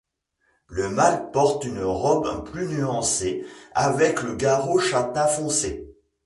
Le mâle porte une robe plus nuancée avec le garrot châtain foncé.